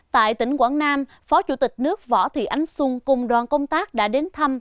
tại tỉnh quảng nam phó chủ tịch nước võ thị ánh xuân cùng đoàn công tác đã đến thăm